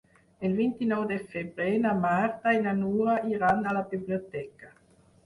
El vint-i-nou de febrer na Marta i na Nura iran a la biblioteca.